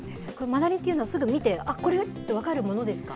マダニというのは、すぐ見て、あっこれって分かるものですか？